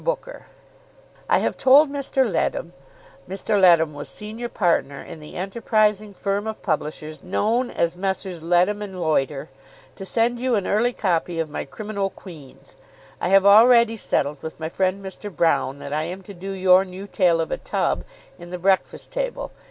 BOOKER, I have told Mr. Leadham [Mr. Leadham was senior partner in the enterprising firm of publishers known as Messrs. Leadham and Loiter] to send you an early copy of my "Criminal Queens." I have already settled with my friend Mr. Broune that I am to do your "New Tale of a Tub" in the "Breakfast Table."